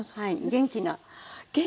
元気な。